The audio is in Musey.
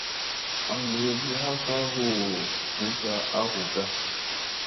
Aŋ noyozi ha ka huu vutta a hu da.